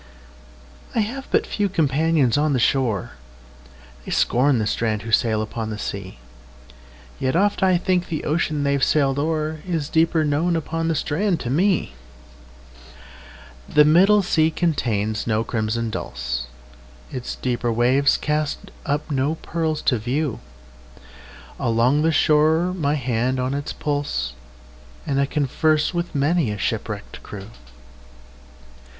I have but few companions on the shore:They scorn the strand who sail upon the sea; Yet oft I think the ocean they've sailed o'erIs deeper known upon the strand to me. The middle sea contains no crimson dulse, Its deeper waves cast up no pearls to view; Along the shore my hand is on its pulse, And I converse with many a shipwrecked crew.